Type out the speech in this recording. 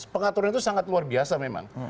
pengaturan itu sangat luar biasa memang